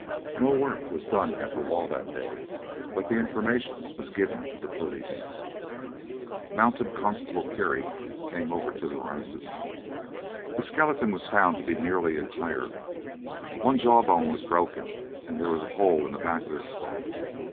No work was done at the wall that day, but information was given to the police. Mounted constable Kerry came over to the Rises. The skeleton was found to be nearly entire; one jaw bone was broken, and there was a hole in the back of the skull.